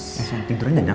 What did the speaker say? eh tidurnya nyenyak